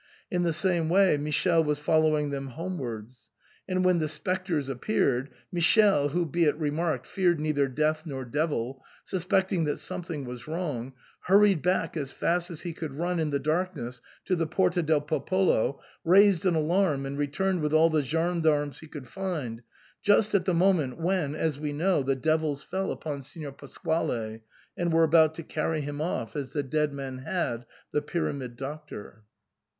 In the same way Michele was following them homewards. And when the spectres appeared, Michele who, be it remarked, feared neither death nor devil, suspecting that some thing was wrong, hurried back as fast as he could run in the darkness to the Porta del Popolo, raised an alarm, and returned with all the gendarmes he could find, just at the moment when, as we know, the devils fell upon Signor Pasquale, and were about to carry him off as the dead men had the Pyramid Doctor.